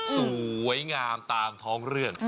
สวยงามตามท้องเรื่อง